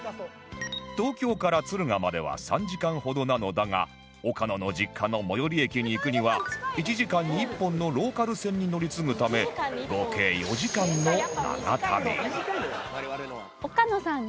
東京から敦賀までは３時間ほどなのだが岡野の実家の最寄り駅に行くには１時間に１本のローカル線に乗り継ぐため合計４時間の長旅